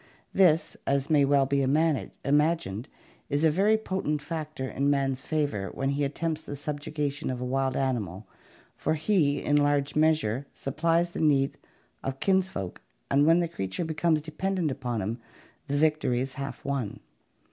This, as may well be imagined, is a very potent factor in man's favor when he attempts the subjuga tion of a wild animal, for he, in large measure, supplies the need of kinsfolk and when the creature becomes dependent upon him the victory is half won.